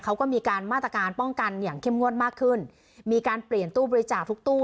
เขาก็มีการมาตรการป้องกันอย่างเข้มงวดมากขึ้นมีการเปลี่ยนตู้บริจาคทุกตู้